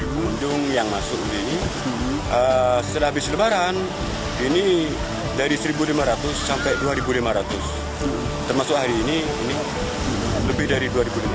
pengunjung yang masuk ini setelah habis lebaran ini dari satu lima ratus sampai dua lima ratus termasuk hari ini ini lebih dari dua lima ratus